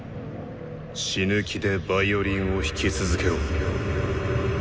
死ぬ気でヴァイオリンを弾き続けろ。